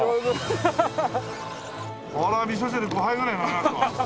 これはみそ汁５杯ぐらい飲めますわ。